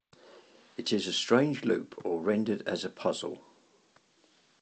It is a strange loop or rendered as a puzzle.